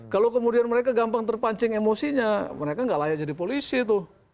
kalau kemudian mereka gampang terpancing emosinya mereka nggak layak jadi polisi tuh